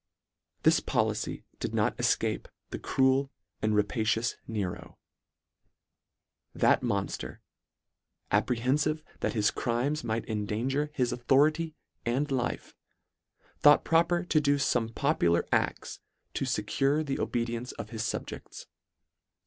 This policy did not efcape the cruel and rapacious Nero. That monfter, apprehen iive that his crimes might endanger his au thority and life, thought proper to do fome popular acts to fecure the obedience of his fubjects.